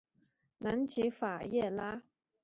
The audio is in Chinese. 南起拉法叶。